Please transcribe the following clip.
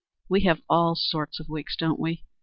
We have all sorts of weeks, don't we!